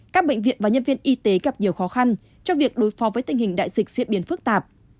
các bệnh viện và nhân viên y tế gặp nhiều khó khăn cho việc đối phó với tình hình đại dịch diễn biến phức tạp